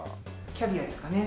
キャビアですかね。